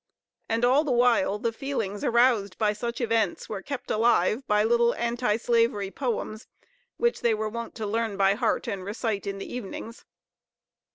And, all the while, the feelings aroused by such events were kept alive by little Anti slavery poems, which they were wont to learn by heart and recite in the evenings.